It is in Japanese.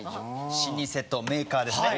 老舗とメーカーですね。